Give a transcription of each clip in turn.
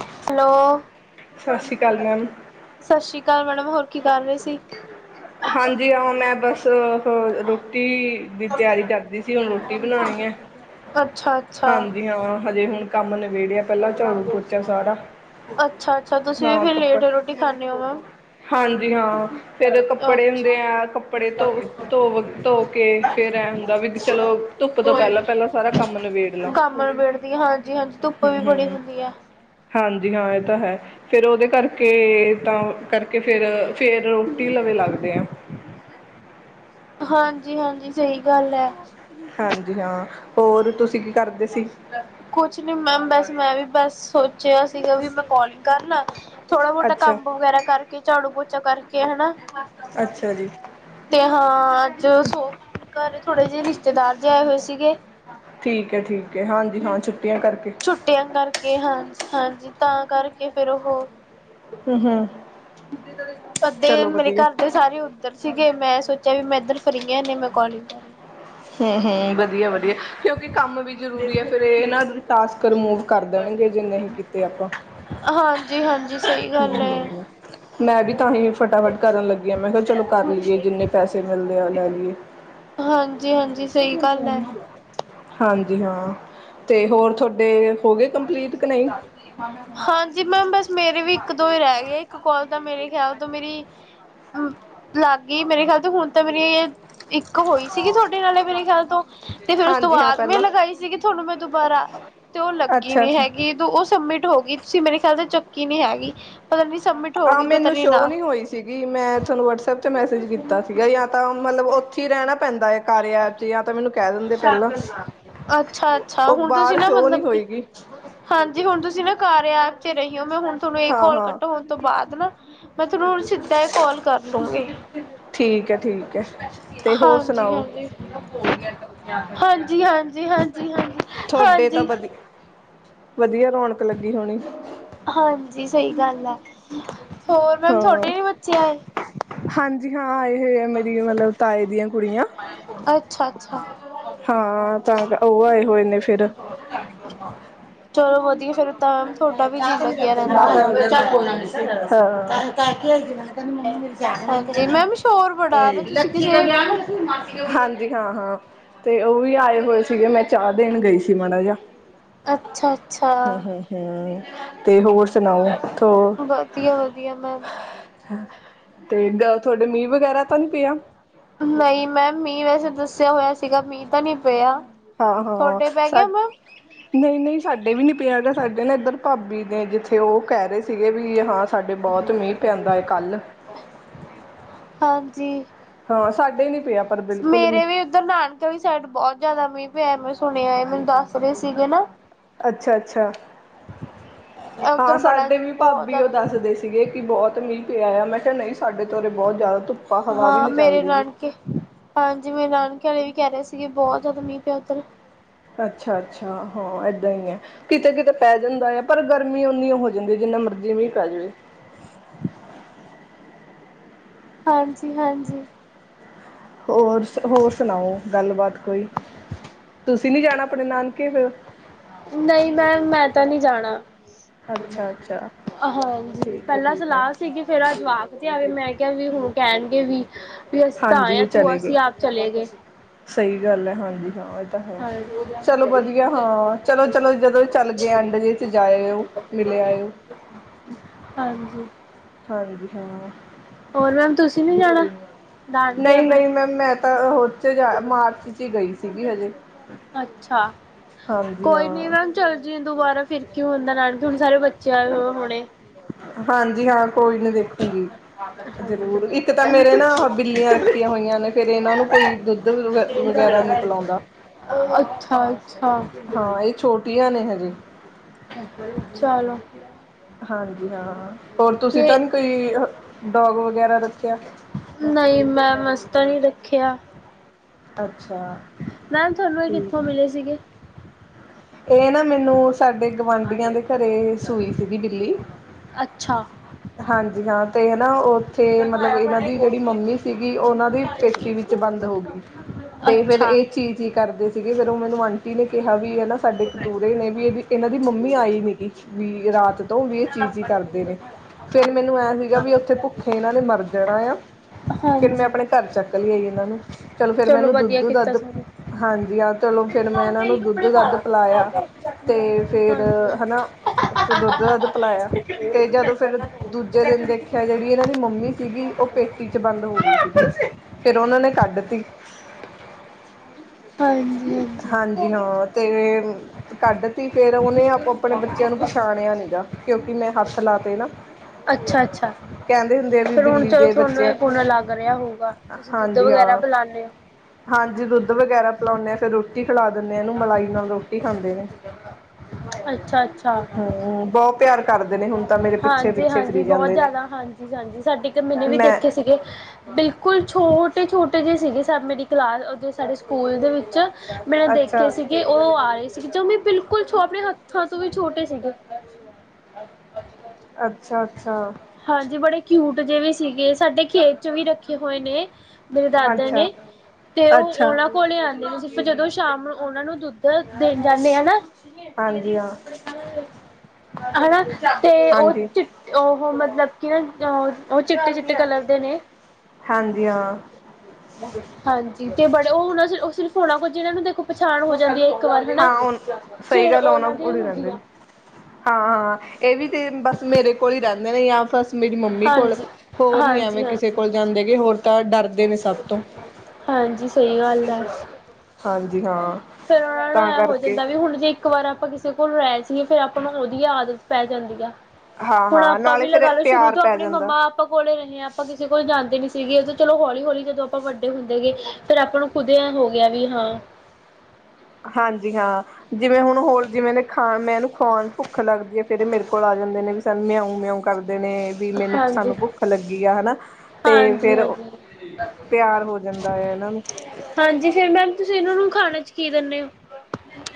Hello, ਸਤਿ ਸ਼੍ਰੀ ਅਕਾਲ ਮੈਮ ਸਸ਼ ਸ੍ਰੀ ਕਾਲ ਮੈਡਮ, ਹੋਰ ਕੀ ਕਰ ਰੇ ਸੀ? ਹ- ਹਾਂਜੀ ਹਹ ਮੈਂ ਬਸ, ਰੋਟੀ ਦੀ ਤਿਆਰੀ ਕਰਦੀ ਸੀ, ਹੁਣ ਰੋਟੀ ਬਣਾਉਣੀ ਹੈ। ਅੱਛਾ-ਅੱਛਾ, ਹਾਂਜੀ ਹਾਂ, ਹਜੇ ਹੁਣ ਕੰਮ ਨਿਬੇੜਿਆ ਪਹਿਲਾਂ ਝਾੜੂ ਪੋਚਾ ਸਾਰਾ ਅੱਛਾ ਅੱਛਾ, ਤੁਸੀਂ ਵੀ ਹਾਂ ਫਿਰ ਕੱਪੜ ਲੇਟ ਰੋਟੀ ਖਾਂਦੇ ਹੋ ਮੈ? ਹਾਂਜੀ, ਹਾਂ। ਫਿਰ ਕੱਪੜੇ ਹੁੰਦੇ ਅੱਛਾ ਆ, ਕੱਪੜੇ ਧੋ ਧੋ ਵ ਧੋ ਕੇ, ਫਿਰ ਐ ਹੁੰਦਾ ਵੀ ਚਲੋ ਧੁੱਪ ਤੋਂ ਪਹਿਲਾਂ ਪਹਿਲਾਂ, ਸਾਰਾ ਕੰਮ ਨਿਬੇੜ ਲ, ਕੰਮ ਨਿਬੇੜਦੀ ਹਾਂਜੀ-ਹਾਂਜੀ ਧੁੱਪ ਹਮ ਵੀ ਬੜੀ ਹਮ। ਹੁੰਦੀ ਹੈ। ਹਾਂਜੀ ਹਾਂ ਇਹ ਤਾਂ ਹੈ, ਫੇਿਰ ਉਹਦੇ ਕਰਕੇ ਤਾਂ ਕਰਕੇ ਫੇਿਰ, ਫ ੁਟੀ ਲਵੇ, ਲੱਗਦੇ ਹੈ। ਹਾਂਜੀ ਹਾਂਜੀ, ਸਹੀ ਗੱਲ ਹੈ। ਹਾਂਜੀ ਹਾਂ, ਹੋਰ ਤੁਸੀਂ ਕੀ ਕਰਦੇ ਸੀ? ਕੁਛ ਨੀ ਮੈਮ ਬਸ ਮੈਂ ਵੀ ਬਸ ਸੋਚਿਆ ਸੀਗਾ, ਵੀ ਮੈਂ ਕਾਲਿੰਗ ਕਰਲਾ ਥੋੜਾ ਮਹੁਟਾ ਅੱਛਾ ਕੰਮ ਵਗੈਰਾ ਕਰਕੇ, ਝਾੜੂ ਪੋਚਾ ਕਰਕੇ, ਹਨਾ। ਅੱਛਾ ਜੀ। ਤੇ ਹਾਂ ਅੱਜ, ਸੋ ਘਰ ਥੋੜੇ ਜਿਹੇ ਰਿਸ਼ਤੇਦਾਰ 'ਜ ਆਏ ਹੋਏ ਸੀਗੇ। ਠੀਕ ਹੈ ਠੀਕ, ਹਾਂਜੀ ਹਾਂ, ਛੁੱਟੀਆਂ ਕਰਕੇ। ਛੁੱਟਿਆਂ ਕਰਕੇ ਹਾਂ, ਹਾਂਜੀ ਤਾਂ ਕਰਕੇ ਫੇਿਰ ਉਹ ਹਮ ਹਮ ਅੱਧੇ, ਚਲੋ ਮੇਰੇ ਵਧੀਆ ਘਰ ਦੇ ਸਾਰੇ ਉੱਧਰ ਸੀਗੇ, ਮੈਂ ਸੋਚਿਆ ਵੀ ਮੈਂ ਇੱਧਰ ਫਰੀ ਹਾਂ, ਮੈਂ ਕਲਿੰਗ ਹਮ ਹਮ, ਵਧੀਆ ਵਧੀਆ, ਕਿਉਂਕਿ ਕੰਮ ਵੀ ਜ਼ਰੂਰੀ ਹੈ ਫਿਰ ਇਹ ਨਾ, ਟਾਸਕ ਰਿਮੂਵ ਕਰ ਦੇਣਗੇ ਜੇ ਨਹੀਂ ਕੀਤੇ ਆਪਾਂ। ਹਰ ਜੀ, ਹਾਂਜੀ। ਹਮ ਹਮ। ਮੈਂ ਵੀ ਤਾਂ ਹੀ ਫਟਾਫਟ ਕਰਨ ਲੱਗੀ ਹਾਂ, ਮੈਂ ਕਿਹਾ ਚਲੋ ਕਰ ਲਈਏ, ਜਿੰਨੇ ਪੈਸੇ ਮਿਲਦੇ ਆ ਲੈ ਲਈਏ। ਹਾਂਜੀ ਹਾਂਜੀ, ਸਹੀ ਗੱਲ ਹੈ। ਹਾਂਜੀ ਹਾਂ, ਅਤੇ ਹੋਰ ਤੁਹਾਡੇ ਹੋ ਗਏ ਕੰਪਲੀਟ ਕਿ ਨਹੀਂ ਹ- ਹਾਂਜੀ ਮੈਮ ਬਸ ਮੇਰੇ ਵੀ ਇੱਕ ਦੋ ਹੀ ਰਹਿ ਗਏ, ਇੱਕ ਕੋਲ ਤਾਂ ਮੇਰੇ ਖਿਆਲ ਤੋਂ ਮੇਰੀ ਹਾਂ- ਲੱਗ ਗਈ, ਮੇਰੇ ਖਿਆਲ ਤੋਂ ਹੁਣ ਤਾਂ ਮੇਰੀ ਇਹ ਇੱਕ ਹੋਈ ਸੀਗੀ, ਤੁਹਾਡੇ ਨਾਲ ਮੇਰੇ ਖਿਆਲ ਤੋਂ ਤੇ ਫੇਿਰ ਉਸ ਤੋਂ ਹਾਂਜੀ ਹਾਂ ਬਾਅਦ ਮੈਂ ਪਹਿਲਾਂ ਲਗਾਈ ਸੀਗੀ ਤੁਹਾਨੂੰ ਮੈਂ ਦੁਬਾਰਾ, ਤੇ ਉਹ ਲ ਅੱਛਾ ਅੱਛਾ ਜਦ ਉਹ ਸਬਮਿਟ ਹੋ ਗਈ, ਤੁਸੀਂ ਮੇਰੇ ਖਿਆਲ ਤੇ ਚੱਕੀ ਨੀ ਹੈਗੀ। ਪਤਾ ਨੀ ਸ ਆਹ ਮੈਨੂੰ ਸ਼ੋਅ ਨਹੀਂੀ ਹੋਈ ਸੀਗੀ, ਮੈਂ ਤੁਹਾਨੂੰ ਵਟਸਐਪ 'ਚ ਮੈਸੇਜ ਕੀਤਾ ਸੀਗਾ, ਜਾਂ ਤਾਂ ਮਤਲਬਥ ਰਹਿਣਾ ਪੈਂਦਾ ਕਾਰ 'ਚ, ਜਾਂ ਤਾਂ ਮੈਨੂੰ ਕਹਿ ਦਿੰਦੇ ਪਹਿਲਾਂ ਅੱਛਾ ਅੱਛਾ, ਉਹ ਹੁਣ ਤੁਸੀਂ ਬਾਹਰ ਨਾ ਸ਼ੋਅ ਮਤਲਬ ਨਹੀਂ ਕੀ ਹੋਏਗੀ ਹਾਂਜੀ ਹੁਣ ਤੁਸੀਂ ਨਾ ਕਾਰ ਆਪ ਤੇ ਰਹੀ ਹੋ, ਮੈਂ ਹੁਣ ਤੁਹਾਨੂੰ ਇਹ ਹਾਂ ਕਾਲ ਹਾਂ ਕੱਟੋ ਹੁਣ ਤੋਂ ਬਾਅਦ ਨਾ, ਮੈਂ ਤੁਹਾਨੂੰ ਹੁਣ ਸਿੱਧਾ ਕੋਾਲ ਕਰ ਦਊਗੀ ਠੀਕ ਹੈ ਠੀਕ ਹੈ ਤੇ ਹੋਰ ਸੁਣਾਓ ਹਾਂਜੀ-ਹਾਂਜੀ। ਹੋ ਗਈਆਂ ਟਿਕਟਾ, ਹਾਂਜੀ-ਹਾਂਜੀ, ਹਾਂਜੀ-ਹਾਂਜੀ। ਤੁਹਾਡੇ ਤਾਂ ਵਧੀ, ਵਧੀਆ ਰੌਣਕ ਲੱਗੀ ਹੋਣੀ। ਹਾਂਜੀ ਸਹੀ ਗੱਲ ਹੈ, ਹੋਰ ਮੈਮ ਹਾਂ ਤੁਹਾਡੇ ਵੀ ਬੱਚੇ ਆਏ। ਹਾਂਜੀ ਹਾਂ, ਆਏ ਹੋਏ ਆ ਇਹ ਆ ਮੇਰੀ ਮਤਲਬ ਤਾਏ ਦੀਆਂ ਕੁੜੀਆਂ। ਅੱਛਾ-ਅੱਛਾ। ਹਾਂ, ਤਾਂ ਉਹ ਆਏ ਹੋਏ ਨੇ ਫੇਰ ਚਲੋ ਵਧੀਆ, ਫੇਰ ਤਾਂ ਤੁਹਾਡਾ ਵੀ ਜੀਅ ਲੱਗਿਆ ਰਹਿੰਦਾ ਹੁਣ। [unintelligible] ਬੋ ਕਹਿ ਕੇ ਕਿੰੂੰ ਮੰਮੀੂੰ [unintelligible] ਮੇਰੇ ਚਖਣਾ ਇੱਕ ਹਾਂਜੀ ਲੱਖੀ ਮੈਮ ਸ਼ੋਰ ਤੇ ਬੜਾ ਆ ਰਿਹਾ ਤੁਸੀਂ ਲੱੱਖੀ [inaudible] ਕਿਸੇ ਲਗਿਆ ਨਾ ਤੁਸੀ ਹਾਂਜੀ ਹਾਂ-ਹਾਂ, ਤੇ ਉਹ ਵੀ ਆਏ ਹੋਏ ਸੀਗੇ, ਮੈਂ ਚਾਹ ਦੇਨ ਗਈ ਸੀ ਮਾੜਾ ਜਿਹਾ ਅੱਛਾ-ਅੱਛਾ। ਹੂੰ ਹੂੰ ਤੇ ਹੋਰ ਸੁਣਾਓ‍? ਵਧੀਆ-ਵਧੀਆ ਮੈਮ ਤੇ ਕੱਲ ਤੁਹਾਡੇ ਮੀਂਹ ਵਗੈਰਾ ਤਾਂ ਨੀ ਪਿਆ? ਨਹੀਂ ਮੈਮ, ਮੀਂਹ ਵੈਸੇ ਦੱਸਿਆ ਹੋਇਆ ਸੀਗਾ, ਮੀਂਹ ਤਾਂ ਨਹੀ ਪਿਆ। ਹਾਂ-ਹਾਂ, ਤੁਹਾਡੇ ਪੈ ਗਿਆ ਸਾਡੇ ਮੈਮ ਨਹੀਂ-ਨਹੀਂ ਸਾਡੇ ਵੀ ਨਹੀਂ ਪਿਆ, ਸਾਡੇ ਨਾ ਇੱਧਰ ਭਾਬੀ ਨੇ ਜਿੱਥੇ ਉਹ ਕਹਿ ਰਹੇ ਸੀਗੇ ਵੀ ਹਾਂ। ਸਾਡੇ ਬਹੁਤ ਮੀਂਹ ਪੈਂਦਾ ਹੈਏ ਕੱਲ੍ਹ ਹਾਂਜੀ। ਹਾਂ, ਸਾਡੇ ਨੀ ਪਿਆ ਪਰ ਬਿਲਕੁਲ ਵੀ ਨਾਨਕੇ ਵਾਲੀ ਸਾਈਡ ਬਹੁਤ ਜ਼ਿਆਦਾ ਮੀਂਹ ਪਿਆ, ਮੈਂ ਸੁਣਿਆ ਹੈ, ਮੈਨੂੰ ਦੱਸ ਰਹੇ ਸੀਗੇ ਨਾ ਅੱਛਾ-ਅੱਛਾ, ਹਾਂ ਉੱਧਰ ਬੜਾ ਸਾਡੇ ਵੀ ਬਹੁਤ ਭਾਬੀ ਉਹ ਜ਼ਿਆਦਾ ਦੱਸਦੇ ਸੀਗੇ। ਬਹੁਤ ਮੀਂਹ ਪਿਆ ਆਇਆ, ਮੈਂ ਕਿਹਾ ਨਹੀਂ ਸਾਡੇ ਤੋ ਬਹੁਤ ਜ਼ਿਆਦਾ ਧੁੱਪ। ਹਾਂ ਮੇਰੇ ਨਾਨਕੇ ਹਾਂਜੀ, ਮੇਰੇ ਨਾਨਕੇ ਵਾਲੇ ਵੀ ਕਹਿ ਰਹੇ ਸੀਗੇ ਬਹੁਤ ਜ਼ਿਆਦਾ ਮੀਂਹ ਪਿਆ ਉੱਧਰ ਅੱਛਾ-ਅੱਛਾ, ਹਾਂ ਇੱਦਾਂ ਹੀ ਹੈ। ਕਿਤੇ -ਕਿਤੇ ਪੈ ਜਾਂਦਾ ਹੈ, ਪਰ ਗਰਮੀ ਓਨੀ ਹੋ ਜਾਂਦੀ, ਜਿੰਨਾ ਮਰਜ਼ੀ ਵੀ ਪੈ ਜਾਵੇ। ਹਾਂਜੀ-ਹਾਂਜੀ। ਹੋਰ-ਹੋਰ, ਸੁਣਾਓ ਗੱਲਬਾਤ ਕੋਈ, ਤੁਸੀਂ ਨੀ ਜਾਣਾ ਆਪਣੇ ਨਾਨਕੇ ਫਿਰ ਨਹੀਂ ਮੈਮ, ਮੈਂ ਤਾਂ ਨਹੀਂ ਜਾਣਾ। ਅੱਛਾ-ਅੱਛਾ ਹਾਂਜੀ, ਠੀਕ ਹੈ ਪਹਿਲਾਂ ਠੀਕ ਹੈ ਸਲਾਹ ਸੀਗੀ, ਫੇਰ ਆ ਜਵਾਕ ਵੇ ਮੈਂ ਕਿਹਾ ਵੀ ਹੁਣ ਕਹਿਣਗੇ, ਵੀ-ਵੀ ਅਸੀਂ ਤਾਂ ਆਏ ਹਾਂਜੀ ਆ, ਤੂੰ ਚਲੇ ਗਏ ਅਸੀਂ ਆਪ ਚਲੇ ਗਏ ਸੀ। ਸਹੀ ਗੱਲ ਹੈ ਹਾਂਜੀ, ਹਾਂ ਇਹ ਤਾਂ ਹੈ। ਚਲੋ ਵਧੀਆ ਹਾਂ, ਚਲੋ-ਚਲੋ ਜਦੋਂ ਚੱਲ ਗਏ ਐਂਡ ਜ ਚ ਜਾਏਓ। ਹਾਂਜੀ। ਹਾਂ ਜੀ ਹਾਂ। ਹੋਰ ਮੈਮ, ਤੁਸੀਂ ਨੀ ਜਾਣਾ? ਨਾਨਕੇ ਆਪਣੇ ਨਹੀਂ-ਨਹੀਂ ਮੈਮ, ਮੈਂ ਤਾਂ ਉੱਥੇ ਜਾ ਮਾਰਚ ਚ ਹ ਗਈ ਸੀਗੀ ਹਜੇ। ਅੱਛਾ, ਹਾਂਜੀ ਕੋਈ ਨੀ ਹਾਂ ਮੈਮ ਚੱਲ ਜਈਏ ਦੁਬਾਰਾ ਫਿਰ ਕਿਂ ਹੁੰਦਾ, ਨਾਨਕੇ ਹੁਣ ਸਾਰੇ ਬੱਚੇ ਆਏ ਹੋਏ ਹੋਣੇ ਹਾਂਜੀ ਹਾਂ, ਕੋਈ ਨੀ ਦੇਖੂਗੀ। ਜ਼ਰੂਰ ਇੱਕ ਤਾਂ ਮੇਰੇ ਨਾ ਬਿੱਲੀਆਂ ਰੱਖੀਆਂ ਹੋਈਆਂ ਨੇ, ਫੇਰ ਇਹਨਾਂ ਨੂੰ ਕੋਈ ਦੁੱਧ ਵਗੈਰਾ ਨਹੀਂ ਪਿਲਾਉਂਦਾ। ਅੱਛਾ-ਅੱਛਾ‌। ਹਾਂ, ਇਹ ਛੋਟੀਆਂ ਨੇ ਹਜੇ ਚਲੋ ਹਾਂਜੀ ਹਾਂ ਹੋਰ ਤੁਸੀਂ ਤਾਂ ਫੇ ਨੀ ਕੋਈ ਡੋਗ ਵਗੈਰਾ ਰੱਖਿਆ? ਨਹੀਂ ਮੈਂਮ ਅਸੀ ਤਾਂ ਨੀ ਰੱਖੇਆ। ਅੱਛਾ ਮੈਮ ਥੋਨੂੰ ਏ ਕਿੱਥੋਂ ਮੀਲੇ ਸੀਗੇ? ਏ ਨਾ ਮੈਨੂੰ ਸਾਡੇ ਗੁਵਢੀਆਂ ਦੇ ਘਰੇ ਸੂਈ ਸੀਗੀ ਬਿੱਲੀ। ਅੱਛਾ। ਹਾਂਜੀ ਹਾਂ ਤੇ ਹਨਾ ਓਥੇ ਮਤਲਵ ਏਨਾਂ ਦੀ ਜੇੜੀ ਮੰਮੀ ਸੀਗੀ ਓਨਾਂ ਦੀ ਪੇਟੀ ਵਿੱਚ ਬੰਦ ਹੋ ਗਈ। [inaudible] ਤੇ ਫੇਰ ਅੱਛਾ ਏ ਚੀਂ-ਚੀਂ ਕਰਦੇ ਸੀਗੇ ਫੇਰ ਓ ਮੈਨੂੰ ਆਂਟੀ ਨੇ ਕੇਹਾ ਵੀ ਹਨਾ ਸਾਡੇ ਕਤੂਰੇ ਨੇ ਵੀ ਏਦੀ ਇਹਨਾਂ ਦੀ ਮੰਮੀ ਆਈ ਹੋਈ ਦੀ ਵੀ ਰਾਤ ਤੋਂ ਵੀ ਏ ਚੀਂ-ਚੀਂ ਕਰਦੇ ਨੇ ਫੇਰ ਮੈਨੂੰ ਐਂ ਸੀਗਾ ਵੀ ਓਥੇ ਭੁੱਖੇ ਏਨਾਂ ਨੇ ਮਰ ਜਾਣਾ ਏ ਆ ਫੇਰ ਮੈਂ ਹਾਂਜੀ ਆਪਣੇ ਘਰ ਚੱਕ ਲਈ ਆਈ ਏਨਾਂ ਨੂੰ ਚਲੋ ਫੇਰ ਮੈਨੂੰ ਵਧੀਆ ਦੁੱਧ ਕੀਤਾ ਦੱਧ ਸਰ ਹਾਂਜੀ ਹਾਂ ਚਲੋ ਫੇਰ ਮੈਂ ਏਨਾਂ ਨੂੰ ਦੁਦੂ ਦੱਧ ਪਿਲਾਏਆ। ਤੇ ਫੇਰ ਹਾਂਜੀ ਹਾਂਜੀ ਹਨਾ, ਫੇਰ ਦੁੱਧ- ਦੱਧ ਪਿਲਾਇਆ ਤੇ ਜਦੋਂ ਫਿਰ ਦੂਜੇ ਦੇਨ ਦੇਖੇਆ ਜੇੜੀ ਏਨਾਂ ਦੀ ਮੰਮੀ ਸੀਗੀ ਓ ਪੇਟੀ ਚ ਬੰਦ ਹੋ ਗਈ ਸੀਗੀ। ਫੇਰ ਓਨਾਂ ਨੇ ਕੱਡਤੀ। ਹਾਂਜੀ। ਹਾਂਜੀ ਹੌਰ ਤੇ ਕੱਢ ਤੀ ਫੇਰ ਓਨੇ ਆਪਾਂ ਆਪਣੇ ਬੱਚਿਆਂ ਨੂੰ ਪਛਾਣਿਆ ਨੀ ਗਾ ਕਿਉਂਕੀ ਮੈਂ ਹੱਥ ਲਾ ਤੇ ਨਾ। ਅੱਛਾ-ਅੱਛਾ ਕਹਿੰਦੇ ਹੁੰਦੇ ਆ ਵੀ ਫੇਰ ਹੁਣ ਬਿੱਲੀ ਚਲ ਦੇ ਤੁਹਾਨੂੰ ਏ ਬੱਚਿਆਂ ਪੁੰਨ ਲੱਗ ਰੇਆ ਹੋਊਗਾ, ਤੁਸੀਂ ਦੂਜ ਹਾਂਜੀ ਹਾਂ, ਹਾਂਜੀ ਦੁੱਧ ਵਗੈਰਾ ਪਿਲਾਉਂਣੇੇ ਆਂ ਫਰ ਰ ਰੋਟੀ ਖਿਲਾ ਦੇਂਨੇ ਆਂ ਨੂੰ ਮਲਾਈ ਨਾਲ ਰੋਟੀ ਖਾਂਦੇ ਨੇ। ਹੋ ਅੱਛਾ ਅੱਛਾ ਹੂੰ ਬੌ ਪਿਆਰ ਕਰਦੇ ਨੇ ਹੁਣ ਤਾਂ ਮੇਰੇ ਪੀਛੇ-ਪੀਛੇ ਫੀਰੀ ਜਾਂਦੇ ਨੇ। ਹਾਂਜੀ ਸਾਡੇ ਇੱਕ ਮੈਨੂੰ ਵੀ ਮੈਂ ਦੇਖੇ ਸੀਗੇ ਬੇਲਕੁਲ ਛੋਟੇ-ਛੋਟੇ ਜੇ ਸੀਗੇ ਸ ਮੇਰੀ ਕਲਾ ਅ ਓਦੋ ਸਾਡੇ ਸਕੂਲ ਦੇ ਵੀਚ ਮੈਂ ਦੇਖੇ ਅੱਛਾ ਸੀਗੇ ਓ ਆਏ ਸੀਗੇ ਜੋ ਮ ਬੇਲਕੁਲ ਆਪਣੇ ਹੱਥਾਂ ਤੋਂ ਵੀ ਛੋਟੇ ਸੀਗੇ। [unintelligible] ਅੱਛਾ-ਅੱਛਾ। ਹਾਂਜੀ ਬੜੇ ਕੀਊਟ ਜੇ ਵੀ ਸੀਗੇ ਸਾਡੇ ਖੇਤ ਚ ਵੀ ਰੱਖੇ ਹੋਏ ਨੇ ਮੇਰੇ ਦਾਦੇ ਅੱਛਾ ਨੇ, ਤੇ ਓ ਅੱਛਾ ਓਨਾ ਕੋਲੇ ਆਦੇ ਨੇ ਜਦੋਂ ਸ਼ਾਮ ਨੂੰ ਓਨਾ ਨੂੰ ਦੁੱਧ ਦੇਣ ਜਾਂਦੇ ਆ ਨਾ ਹਾਂਜੀ ਹਾਂ ਹਨਾ ਤੇ ਓ ਹਾਂਜੀ ਚੀ ਓਹੋ ਮਤਲਵ ਕੀ ਨਾ ਓ ਚੀਟੇ-ਚੀਟੇ ਕਲਰ ਦੇ ਨੇ। ਹਾਂਜੀ ਹਾਂ। ਹਾਂਜੀ ਤੇ ਬੜੇ ਓ ਓਨਾਂ ਓ ਸਿਰਫ ਹੋਣਾ ਕੁਜੇ ਨਾਂ ਨੂੰ ਦੇਖੋ ਪਛਾਣ ਹੋ ਜਾਂਦੀ ਐ ਇਏਕ ਵਾਰ ਹਨਾ ਹਾਂ ਹੁਣ ਸਹੀ ਫੇਰ ਓਨਾਂ ਦੀ ਹੁੰਦੀਆਂ ਹਾਂ, ਏ ਵੀ ਤੇ ਬਸ ਮੇਰੇ ਕੋਲ ਹੀ ਰੈਂਦੇ ਨੇ ਜਾਂ ਫ ਮੇਰੀ ਮੰਮੀ ਕੋਲ ਹਾਂਜੀ ਹੋਰ ਨੀ ਐਵੇਂ ਹਾਂਜੀ ਕਿਸੇ ਹਾਂਜੀ ਕੋਲ ਜਾਂਦੇ ਗੇ ਹੋਰ ਤਾਂ ਡਰਦੇ ਨੇ ਸਭ ਤੋਂ। ਹਾਂਜੀ ਸਈ ਗੱਲ ਐ ਹਾਂਜੀ ਹਾਂ ਫੇਰ ਓਨਾਂ ਨੂੰ ਤਾਂ ਐ ਹੋ ਕਰਕੇ ਜਾਂਦਾ ਵੀ ਹੁਣ ਜੇ ਇੱਕ ਵਾਰ ਆਪਾਂ ਕੀਸੇ ਕੋਲ ਰੈ ਜੀਏ ਫੇਰ ਆਪਾਂ ਨੂੰ ਓਦੀ ਆਦਤ ਪੈ ਜਾਂਦੀ ਆ। ਹੁਣ ਹਾਂ-ਹਾਂ ਆਪਾਂ ਨਾਲੇ ਵੀ ਫੇਰ ਲਗਾ ਲਓ ਸ਼ੁਰੂ ਪਿਆਰ ਤੋਂ ਪੈ ਆਪਣੇ ਜਾਂਦਾ। ਮੰਮਾ ਆਪਾਂ ਕੋਲੇ ਰੇ ਆ ਆਪਾਂ ਕਿਸੇ ਕੋਲ ਜਾਂਦੇ ਨੀ ਸੀਗੇ ਚਲੋ ਹੌਲੀ-ਹੌਲੀ ਜਦੋਂ ਆਪਾਂ ਵੱਡੇ ਹੁੰਦੇ ਗੇ ਫੇਰ ਆਪਾਂ ਨੂੰ ਖੁਦੇਐ ਹੋ ਗੇਆ ਵੀ ਹਾਂ ਹਾਂਜੀ ਹਾਂ ਜਿਵੇਂ ਹੁਣ ਹੋਰ ਜਿਵੇਂ ਨੇ ਖਾਣ ਮੈਨੂੰ ਖੁਵਾਣ ਭੁੱਖ ਲੱਗਦੀ ਐ ਫੇਰ ਏ ਮੇਰੇ ਕੋਲ ਆ ਜਾਂਦੇ ਨੇ ਫੇਰ ਮੇਆਉ-ਮੇਆਊ ਕਰਦੇ ਨੇ ਵੀ ਮੈਨੂੰ ਹਾਂਜੀ ਸਾਨੂੰ ਭੁੱਖ ਲੱਗੀ ਆ ਹਨਾ ਤੇ ਹਾਂਜੀ ਫੇਰ ਹਾਂਜੀ ਪਿਆਰ ਹੋ ਜਾਂਦਾ ਹੈ, ਇਹਨਾਂ ਨੂੰ ਹਾਂਜੀ ਫਿਰ ਮੈਮ, ਤੁਸੀਂ ਇਹਨਾਂ ਨੂੰ ਖਾਣੇ 'ਚ ਕੀ ਦਿੰਦੇ ਹੋ?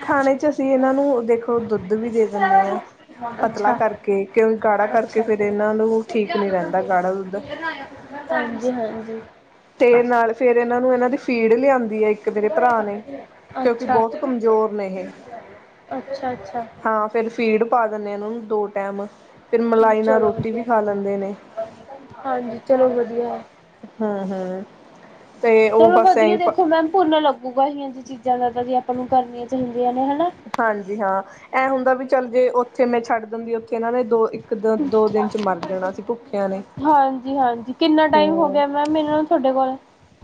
ਖਾਣੇ 'ਚ ਅਸੀਂ ਇਹਨਾਂ ਨੂੰ, ਦੇਖੋ ਦੁੱਧ ਵੀ ਅੱਛਾ ਦੇ ਅੱਛਾ ਦਿੰਦੇ ਜੀ। ਆਾਂ ਹਾਂਜੀ ਪਤਲਾ ਕਰਕੇ, ਕਿਉਂਕਿ ਗਾੜਾ ਕਰਕੇ ਫੇਿਰ ਇਹਨਾਂ ਨੂੰ ਠੀਕ ਨੀ ਰਹਿੰਦਾ, ਗਾੜਾ ਦੁੱਧ। ਹਾਂਜੀ, ਹਾਂਜੀ। ਤੇ ਨਾਲ, ਫੇਿਰ ਇਹਨਾਂ ਨੂੰ ਇਹਨਾਂ ਦੀ ਫੀਡ ਲਿਆਂਦੀ ਹੈ ਮੇਰੇ ਭਰਾ ਨੇ, ਕਿਉਂਕਿ ਅੱਛਾ ਬਹੁਤ ਕਮਜ਼ੋਰ ਨੇ ਇਹ ਅੱਛਾ ਅੱਛਾ ਹਾਂ, ਫੇਿਰ ਫੀਡ ਪਾ ਦਿੰਦੇ ਉਹਨਾਂ ਨੂੰ ਦੋ ਟਾਈਮ, ਫਿਰ ਮਲਾਈ ਨਾਲ ਚਲੋ ਰੋਟੀ ਵੀ ਵਧੀਆ ਖਾ ਲੈਂਦੇ ਨੇ। ਹਾਂਜੀ, ਚਲੋ ਵਧੀਆ ਹੈ। ਹੂੰ ਹੂੰ। ਤੇ ਉਹ ਚਲੋ ਬਸ ਵਧੀਆ, ਐਂ ਦੇਖੋ ਮੈਮ ਪਨਾ ਲੱ ਗੁਗਾਹੀਿਆਂ ਚੀਜ਼ਾਂ ਲ ਜ ਆਪਾਂ ਨੂੰ, ਕਰਨੀਆਂ ਚਾਹੀਦੀਆਂ ਨੇ, ਹਨਾ। ਹਾਂਜੀ ਹਾਂ, ਇਹ ਹੁੰਦਾ ਵੀ ਚੱਲ ਜੇ ਉੱਥੇ ਮੈਂ ਛੱਡ ਦਿੰਦੀ, ਉੱਥੇ ਇਹਨਾਂ ਨੇ ਦੋ ਦੋ ਦਿਨ ਚ ਮਰ ਜਾਣਾ ਸੀ ਭੁੱਖਿਆਂ ਨੇ। ਹਾਂਜੀ ਹਾਂਜੀ, ਕਿੰਨਾ ਟਾਈਮ ਹੋ ਹੂੰ ਗਿਆ ਮੈ ਇਹਨਾਂ ਤੁਹਾਡੇ ਕੋਲ?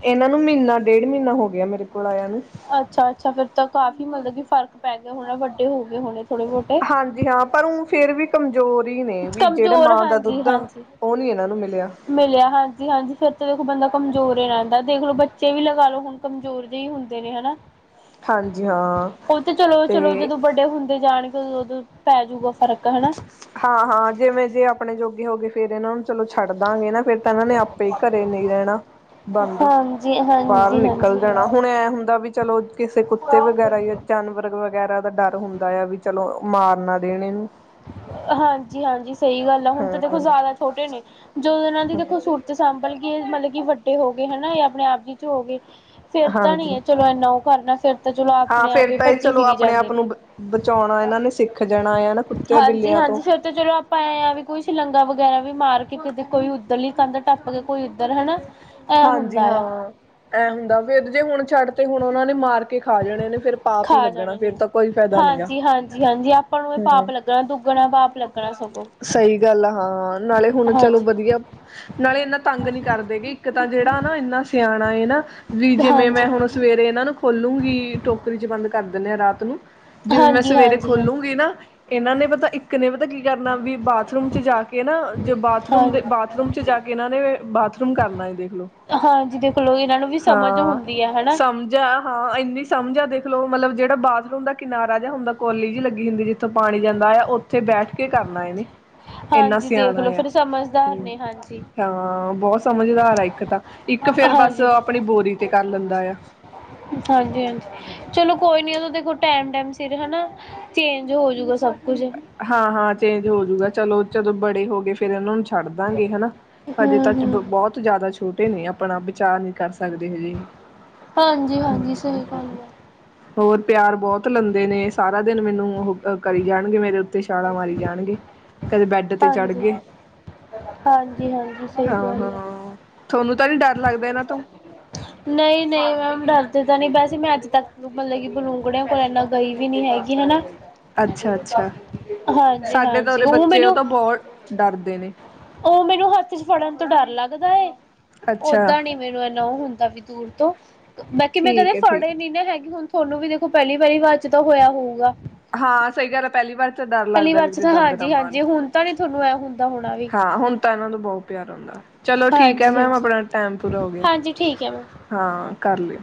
ਇਹਨਾਂ ਨੂੰ ਮਹੀਨਾ ਡੇਢ ਮਹੀਨਾ ਹੋ ਗਿਆ, ਮੇਰੇ ਕੋਲ ਆਇਆ ਨੂੰ। ਅੱਛਾ ਅੱਛਾ, ਫੇਿਰ ਤਾਂ ਕਾਫ਼ੀ ਮਤਲਬ ਕਿ ਫ਼ਰਕ ਪੈ ਗਿਆ ਹੋਣਾ, ਵੱਡੇ ਹੋ ਗਏ ਹੋਣੇ ਥੋੜੇ ਬਹੁਤ ਹਾਂਜੀ ਹਾਂ, ਪਰ ਉਹ ਫੇਰ ਵੀ ਕਮਜ਼ੋਰੀ ਹੀ ਨੇ, ਵੀ ਜਿਹੜੇ ਕਮਜ਼ੋਰ ਮਾਂ ਦਾ ਹਾਂਜੀ ਦੁੱਧ ਆ, ਹਾਂਜੀ ਉਹ ਨੀ ਇਹਨਾਂ ਨੂੰ ਮਿਲਿਆ। ਮਿਲਿਆ ਹਾਂਜੀ ਹਾਂਜੀ ਫਿਰ ਦੇਖੋ ਬੰਦਾ ਕਮਜ਼ੋਰ ਹੀ ਰਹਿੰਦਾ, ਦੇਖ ਲੋ ਬੱਚੇ ਵੀ ਲਗਾ ਲਓ ਹੁਣ ਕਮਜ਼ੋਰ ਜਿਹੇ ਹੀ ਹੁੰਦੇ ਨੇ, ਹਨਾ। ਹਾਂਜੀ ਹਾਂ ਉਹ ਤੇ ਚਲੋ, ਚਲੋ ਤੇ ਜਦੋਂ ਵੱਡੇ ਹੁੰਦੇ ਜਾਣਗੇ ਉਦੋਂ ਪੈ ਜੂਗਾ ਫ਼ਰਕ, ਹਨਾ। ਹਾਂ-ਹਾਂ, ਜਿਵੇਂ ਜੇ ਆਪਣੇ ਜੋਗੇ ਹੋ ਗਏ, ਫੇਰ ਇਹਨਾਂ ਨੂੰ ਚਲੋ ਛੱਡ ਦਾਂਗੇ ਨਾ ਫੇਿਰ ਇਹਨਾਂ ਨੇ ਆਪੇ ਈ, ਘਰੇ ਨਹੀਂ ਰਹਿਣਾ ਬੰਦ ਹਾਂਜੀ ਬਾਹਰ ਹਾਂਜੀ ਨਿਕਲ ਹਾਂਜੀ ਜਾਣਾ, ਹੁਣ ਐ ਹੁੰਦਾ ਵੀ ਚਲੋ ਕਿਸੇ ਕੁੱਤੇ ਵਗੈਰਾ ਯ ਜਾਨਵਰ ਵਗੈਰਾ ਦਾ ਡਰ ਹੁੰਦਾ ਆ, ਵੀ ਚਲੋ ਮਾਰਨਾ ਦੇਣ ਇਹਨੂੰ ਹਾਂਜੀ-ਹਾਂਜੀ ਸਹੀ ਗੱਲ ਆ, ਹੁਣ ਤਾਂ ਦੇਖੋ ਹੂੰ-ਹੂੰ ਜ਼ਿਆਦਾ ਛੋਟੇ ਨੇ, ਜਦੋਂ ਇਹਨਾਂ ਦੀ ਦੇਖੋ ਸ ਤੇ ਸਾਂਭਲ ਕੇ, ਮਤਲਬ ਕਿ ਵੱਡੇ ਹੋ ਗਏ ਹਨਾ, ਇਹ ਆਪਣੇ ਆਪ ਜੀ 'ਚ ਹੋ ਗਏ ਫਿਰ ਤਾਂ ਨਈ ਹਾਂਜੀ ਐ ਚਲੋ ਇਨਾ ਉਹ ਕਰਨਾ, ਫਿਰ ਤਾਂ ਚਲੋ ਹਾਂ ਆਪਣੇ ਫੇਰ ਆਪ ਈ ਤਾਂ ਇਹ ਭੱਜੇ ਚਲੋ ਫਿਰੀ ਆਪਣੇ ਜਾਂਦੇ ਆਪ ਨੇ। ਨੂੰ ਬਚਾਉਣਾ ਇਹਨਾਂ ਨੇ ਸਿੱਖ ਜਾਣਾ ਆ ਨਾ, ਕੁ ਹਾਂਜੀ-ਹਾਂਜੀ, ਫਿਰ ਤੇ ਚਲੋ ਆਪਾਂ ਐ ਆ ਵੀ ਕੋਈ ਸ਼ਲੰਗਾ ਵਗੈਰਾ ਵੀ ਮਾਰ ਕੇ, ਕਿਤੇ ਕੋਈ ਉੱਧਰ ਲੀ ਕੰਧ ਟੱਪ ਕੇ, ਕੋਈ ਉੱਧਰ ਹਨਾ ਐ ਹਾਂਜੀ ਹੁੰਦਾ ਆ ਹਾਂ, ਐ ਹੁੰਦਾ ਫਰ ਤੇ ਜੇ ਹੁਣ ਛੱਡ ਤੇ ਹੁਣ ਉਹਨਾਂ ਨੇ ਮਾਰ ਕੇ ਖਾ ਜਾਣੇ ਨੇ, ਫੇਿਰ ਪਾਪ ਈ ਲੱਗਣਾ, ਫੇਰ ਤਾਂ ਕੋਈ ਫਾਇਦਾ ਨਈ। ਹਾਂਜੀ-ਹਾਂਜੀ, ਹਾਂਜੀ ਆਪ ਹੂੰ, ਸਗੋਂ ਸਈ ਗੱਲ ਹਾਂ, ਨਾਲੇ ਹੁਣ ਚਲੋ ਹਾਂਜੀ ਵਧੀਆ ਨਾਲੇ ਇੰਨਾ ਤੰਗ ਨੀ ਕਰਦੇ, ਕਿ ਇੱਕ ਤਾਂ ਜਿਹੜਾ ਆ ਨਾ ਇੰਨਾ ਸਿਆਣਾ ਏ ਨਾ ਵੀ ਜਿਵੇਂ ਹਾਂਜੀ ਮੈਂ ਹੁਣ ਸਵੇਰੇ ਇਹਨਾਂ ਨੂੰ ਖੋਲੂਗੀਂ, ਟੋਕਰੀ 'ਚ ਬੰਦ ਕਰ ਦਿੰਨੇ ਆਾਂ ਰਾਤ ਨੂੰ ਜਿਵੇਂ ਮੈਂ ਹਾਂਜੀ ਸਵੇਰੇ ਹਾਂਜੀ ਹਾਂ ਖੋਲੂਗੀਂ ਨਾ, ਇਹਨਾਂ ਨੇ ਪਤਾ ਇੱਕ ਨੇ ਪਤਾ ਕੀ ਕਰਨਾ ਵੀ ਬਾਥਰੂਮ 'ਚ ਜਾ ਕੇ ਨਾ, 'ਜ ਬਾਥਰੂਮ ਦੇ ਹਾਂਜੀ ਬਾਥਰੂਮ 'ਚ ਜਾ ਕੇ, ਇਹਨਾਂ ਨੇ ਬਾਥਰੂਮ ਕਰਨਾ। ਦੇਖਲੋ, ਹਾਂਜੀ ਦੇਖਲੋ ਇਹਨਾਂ ਨੂੰ ਵੀ ਸਮਝ ਹਾਂ ਹੁੰਦੀ ਹੈ ਹਨਾ ਸਮ ਜਾਂ ਹਾਂ ਇੰਨੀ ਸਮਝ ਆ ਦੇਖਲੋ, ਮਤਲਬ ਜਿਹੜਾ ਬਾਥਰੂਮ ਦਾ ਕਿਨਾਰਾ ਜਾਂ ਹੁੰਦਾ ਕੋਲੀ 'ਜ ਲੱਗੀ ਹੁੰਦੀ ਜਿੱਥੇ ਜਥੋਂ ਪਾਣੀ ਜਾਂਦਾ ਆ, ਉੱਥੇ ਬੈਠ ਕੇ ਕਰਨਾ ਇਹਨੇ ਇੰਨਾ ਹਾਂਜੀ ਸਿਆਣਾ ਦੇਖਲੋ ਆ, ਫਿਰ ਸਮਝਦਾਰ ਹੂੰ, ਨੇ ਹਾਂਜੀ ਹਾਂ ਬਹੁਤ ਸਮਝਦਾਰ ਆ ਤਾਂ ਇੱਕ ਫੇਿਰ ਬਸ, ਹਾਂਜੀ ਆਪਣੀ ਬੋਰੀ ਤੇ ਕਰ ਲੈਂਦਾ ਆ। ਹਾਂਜੀ, ਹਾਂਜੀ। ਚਲੋ ਕੋਈ ਨੀ ਓ ਤਾਂ ਦੇਖੋ ਟੈਮ-ਟੈਮ ਸਿਰ ਹਨਾਂ, ਚੇਂਜ ਹੋਜੂਗਾ ਸਭ ਕੁਝ। ਹਾਂ, ਹਾਂ, ਚੇਂਜ ਹੋਜੂਗਾ ਚਲੋ ਜਦੋਂ ਬੜੇ ਹੋ ਗਏ ਫੇਰ ਇਨ੍ਹਾਂ ਨੂੰ ਛੱਡ ਦਾਂਗੇ ਹਨਾਂ, ਹਜੇ ਤੱਕ ਹੂੰ-ਹੂੰ, ਬੋਤ ਜ਼ਿਆਦਾ ਛੂਟ ਟੇ ਨੇ ਆਪਣਾ ਬਚਾ ਨੀ ਕਰ ਸਕਦੇ ਹਜੇ ਹਾਂਜੀ, ਹੂੰ। ਹਾਂਜੀ ਸਹੀ ਗੱਲ ਐ। ਹੋਰ ਪਿਆਰ ਬੋਤ ਲੈਂਦੇ ਨੇ ਸਾਰਾ ਦਿਨ ਮੈਨੂੰ ਉਹ ਅ ਕਰੀ ਜਾਣਗੇ ਮੇਰੇ ਉੱਤੇ ਛਾਲਾ ਮਾਰੀ ਜਾਣਗੇ। ਕਦੇ ਬੈੱਡ ਤੇ ਹਾਂਜੀ, ਚੜ੍ਹਗੇ। ਹਾਂਜੀ-ਹਾਂਜੀ ਸਹੀ ਹਾਂ, ਗੱਲ ਐ। ਹਾਂ। ਥੋਨੂੰ ਤਾਂ ਨੀ ਡਰ ਲੱਗਦਾ ਇਹਨਾਂ ਤੋਂ ਨਈ, ਨਈ ਮੈਮ ਡਰਦੇ ਤਾਂ ਨੀ ਵੈਸੇ ਮੈਂ ਅੱਜ ਤੱਕ ਮਤਲਬ ਕਿ ਬਲੂੰਗੜਿਆਂ ਕੋਲ ਇਨ੍ਹਾਂ ਗਈ ਵੀ ਨੀ ਹੈਗੀ ਹਨਾਂ! ਅੱਛਾ-ਅੱਛਾ। ਹਾਂਜੀ, ਸਾਡੇ ਤਾਂ ਹਾਂਜੀ, ਉਰੇ ਉਹ ਬੱਚੇ ਮੈਨੂੰ ਤਾਂ ਬਹੁਤ ਡਰਦੇ ਨੇ। ਓਂਅ ਮੈਨੂੰ ਹੱਥ ਚ ਫੜਨ ਤੋਂ ਡਰ ਲੱਗਦਾ ਐ। ਅੱਛਾ, ਓਦਾਂ ਨੀ ਮੈਨੂੰ ਇਨ੍ਹਾਂ ਉਹ ਹੁੰਦਾ ਵੀ ਦੂਰ ਤੋਂ ਬਾਕੀ ਮੈਂ ਕਦੇ ਠੀਕ ਹੈ ਠੀਕ। ਫੜੇ ਨੀ ਨਾ ਹੈਗੀ ਹੁਣ ਥੋਨੂੰ ਵੀ ਦੇਖੋ ਪਹਿਲੀ-ਪਹਿਲੀ ਵਾਰ ਚ ਤਾਂ ਹੋਇਆ ਹੋਊਗਾ। ਹਾਂ ਸਹੀ ਗੱਲ ਐ ਪਹਿਲੀ ਵਾਰ ਤੇ ਡਰ ਪੈਲੀ ਲੱਗਦਾ ਵਾਰ ਵੀ 'ਚ ਕਿਤੇ ਤਾਂ ਦੰਦ ਨਾ ਮਾਰਨ। ਹਾਂਜੀ-ਹਾਂਜੀ ਹੁਣ ਤਾਂ ਨੀ ਥੋਨੂੰ ਐ ਹੁੰਦਾ ਹੋਣਾ ਵੀ ਹਾਂ, ਹੁਣ ਤਾਂ ਇਨ੍ਹਾਂ ਨੂੰ ਬਹੁਤ ਪਿਆਰ ਆਉਂਦਾ, ਚਲੋ ਠੀਕ ਐ ਮੈਮ ਹਾਂਜੀ-ਹਾਂਜੀ। ਆਪਣਾ ਟੈਮ ਪੂਰਾ ਹੋ ਗਿਆ। ਹਾਂਜੀ ਠੀਕ ਹੈ ਮੈਮ ਹਾਂ ਕਰ ਲੇ